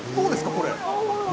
これ。